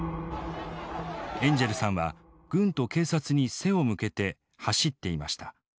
エンジェルさんは軍と警察に背を向けて走っていました。